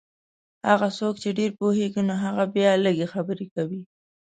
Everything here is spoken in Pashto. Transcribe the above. هغه څوک چې ډېر پوهېږي نو هغه بیا لږې خبرې کوي.